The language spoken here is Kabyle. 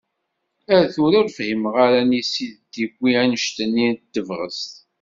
Ar tura ur fhimeɣ ara anisi d-tiwi anect-nni n tebɣest.